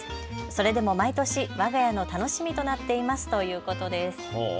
それでも毎年、わが家の楽しみとなっていますということです。